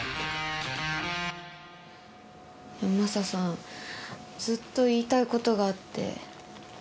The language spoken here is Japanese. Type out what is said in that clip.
マサさん、ずっと言いたいことがあって。